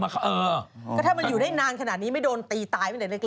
ก็ถ้ามันอยู่ได้นานขนาดนี้ไม่โดนตีตายไปไหนเลยค่ะ